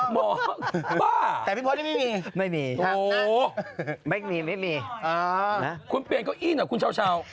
บ้าแต่พี่พลไม่มีไม่มีไม่มีไม่มีคุณเปลี่ยนเก้าอี้เหรอคุณเช้าเช้า